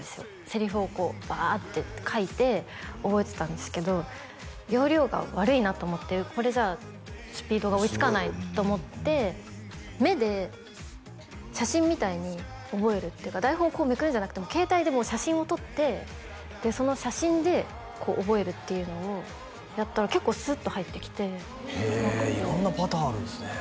セリフをこうバーッて書いて覚えてたんですけど要領が悪いなと思ってこれじゃあスピードが追いつかないと思って目で写真みたいに覚えるっていうか台本をこうめくるんじゃなくて携帯でもう写真を撮ってその写真で覚えるっていうのをやったら結構スーッと入ってきてへえ色んなパターンあるんですね